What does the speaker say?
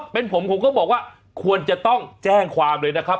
เป็นผมผมก็บอกว่าควรจะต้องแจ้งความเลยนะครับ